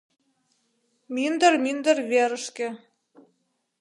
Мӱндыр-мӱндыр верышке